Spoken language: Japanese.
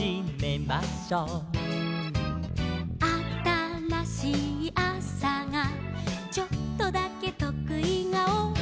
「あたらしいあさがちょっとだけとくい顔」